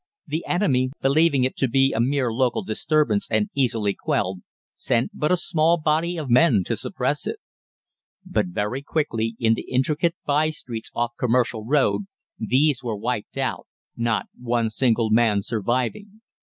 The enemy, believing it to be a mere local disturbance and easily quelled, sent but a small body of men to suppress it. But very quickly, in the intricate by streets off Commercial Road, these were wiped out, not one single man surviving.